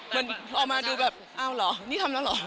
เหมือนพอมาดูแบบอ้าวเหรอนี่ทำแล้วเหรอ